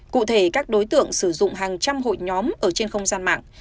cụ thể các đối tượng sử dụng hàng trăm hội nhóm ở trên không gian mạng